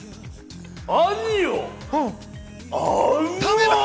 兄よ！